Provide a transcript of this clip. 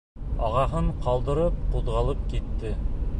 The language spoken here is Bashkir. Ағаһын ҡалдырып, ҡуҙғалып китте.